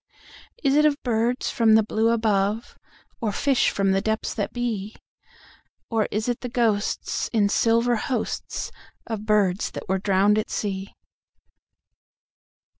Is it of birds from the blue above, Or fish from the depths that be? Or is it the ghostsIn silver hostsOf birds that were drowned at sea?